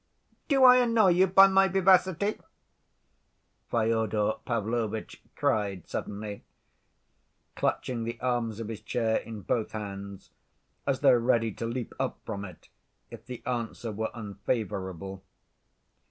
Do I annoy you by my vivacity?" Fyodor Pavlovitch cried suddenly, clutching the arms of his chair in both hands, as though ready to leap up from it if the answer were unfavorable.